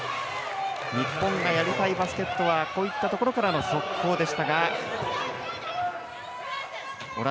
日本がやりたいバスケットはこういったところからの速攻でしたが。